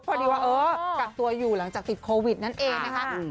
พอดีว่าเออกักตัวอยู่หลังจากติดโควิดนั่นเองนะคะ